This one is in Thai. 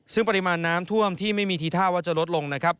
ซึ่งปริมาณน้ำท่วมที่ไม่มีทีท่าว่าจะลดลงนะครับ